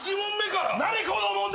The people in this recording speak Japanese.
何この問題